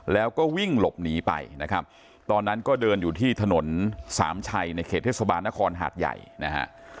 แล้วก็วิ่งหลบหนีไปนะครับตอนนั้นก็เดินอยู่ที่ถนนสามชัยในเขตเทศบาลนครหาดใหญ่นะฮะ